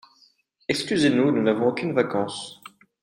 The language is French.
Excusez-nous, nous n'avons aucunes vacances